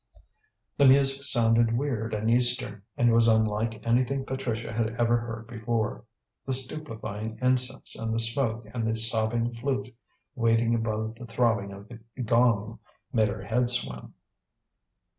The music sounded weird and Eastern, and was unlike anything Patricia had ever heard before. The stupefying incense and the smoke and the sobbing flute, wailing above the throbbing of the gong, made her head swim.